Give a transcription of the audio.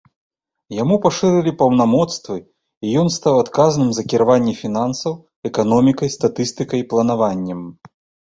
Яму пашырылі паўнамоцтвы, і ён стаў адказным за кіраванне фінансаў, эканомікай, статыстыкай, планаваннем.